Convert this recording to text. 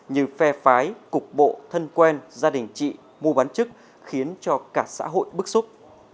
như phe phái cục bộ thân quen gia đình chị mua bán chức khiến cho cả xã hội bức xúc